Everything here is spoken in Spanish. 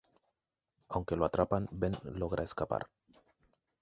Aunque lo atrapan, Ben logra escapar.